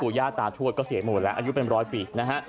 ย่าตาทวดก็เสียหมดแล้วอายุเป็นร้อยปีนะฮะ